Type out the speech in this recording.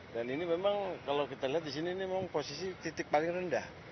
dan ini memang kalau kita lihat di sini ini memang posisi titik paling rendah